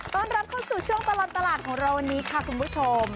ต้อนรับเข้าสู่ช่วงตลอดตลาดของเราวันนี้ค่ะคุณผู้ชม